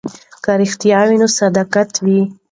که رښتیا وي نو صداقت وي.